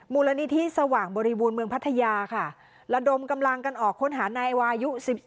มูลนิธิสว่างบริบูรณ์เมืองพัทยาค่ะระดมกำลังกันออกค้นหานายวายุ๑๑